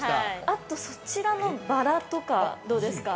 ◆後、そちらのバラとかどうですか。